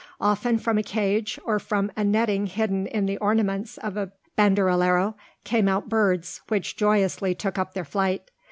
Often from a cage, or from a netting hidden in the ornaments of a banderillero, came out birds, which joyously took up their flight.